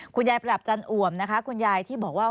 คุณยายประดับจันทร์อ่วมนะคะคุณยายที่บอกว่า